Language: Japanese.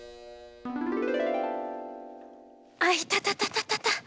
アイタタタタタタ。